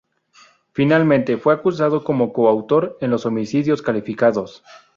Finalmente, fue acusado como coautor en los homicidios calificados.